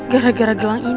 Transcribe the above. gara gara gelang ini